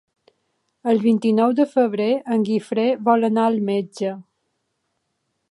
El vint-i-nou de febrer en Guifré vol anar al metge.